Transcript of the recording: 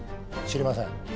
知りません。